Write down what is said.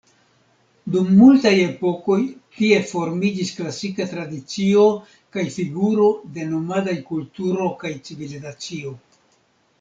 Dum multaj epokoj tie formiĝis klasika tradicio kaj figuro de nomadaj kulturo kaj civilizacio.